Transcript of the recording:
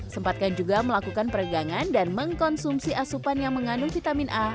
sempatkan juga melakukan peregangan dan mengkonsumsi asupan yang mengandung vitamin a